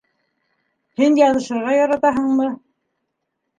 Һин яҙышырға яратаһыңмы?